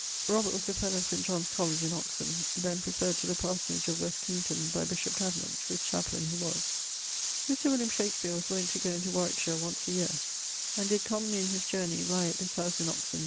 [LII.] Robert was a fellow of St. John's College in Oxon: then preferred to the parsonage of West Kington by bishop Davenant, whose chaplaine he was. Mr. William Shakespeare was wont to goe into Warwickshire once a yeare, and did commonly in his journey lye at this house in Oxon.